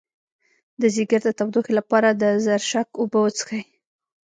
د ځیګر د تودوخې لپاره د زرشک اوبه وڅښئ